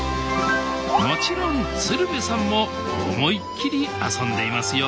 もちろん鶴瓶さんも思いっきり遊んでいますよ